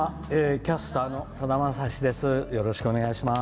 キャスターのさだまさしです。